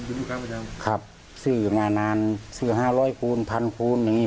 อืมครับครับครับซื้องานนานซื้อห้าร้อยคูณพันคูณอย่างงี้